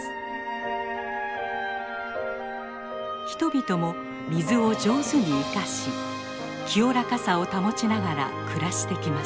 人々も水を上手に生かし清らかさを保ちながら暮らしてきました。